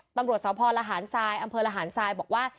ตำรวจสพลหารทรายอำเภอระหารทรายบอกว่า